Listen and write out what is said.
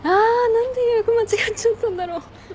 何で予約間違っちゃったんだろ。